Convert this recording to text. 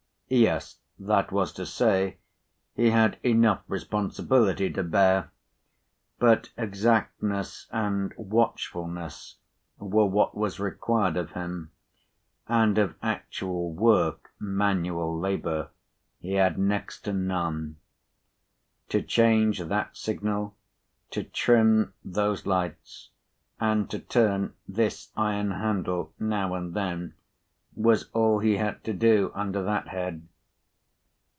Yes; that was to say, he had enough responsibility to bear; but exactness and watchfulness were what was required of him, and of actual work—manual labour—he had next to none. To change that signal, to trim those lights, and to turn this iron handle now and then, was all he had to do under that head.